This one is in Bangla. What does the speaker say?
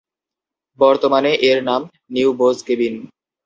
বর্তমানে এর নাম ‘নিউ বোস কেবিন’।